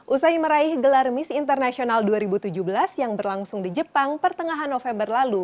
usai meraih gelar miss international dua ribu tujuh belas yang berlangsung di jepang pertengahan november lalu